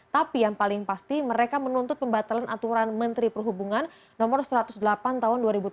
tapi yang paling pasti mereka menuntut pembatalan aturan menteri perhubungan no satu ratus delapan tahun dua ribu tujuh belas